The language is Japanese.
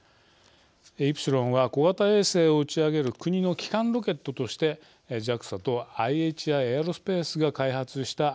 イプシロンは小型衛星を打ち上げる国の基幹ロケットとしてＪＡＸＡとＩＨＩエアロスペースが開発した